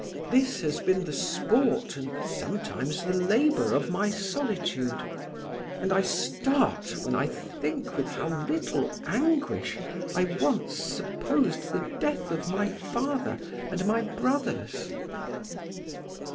This has been the sport and sometimes the labour of my solitude, and I start when I think with how little anguish I once supposed the death of my father and my brothers."